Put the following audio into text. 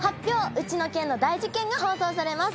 ウチの県の大事ケン」が放送されます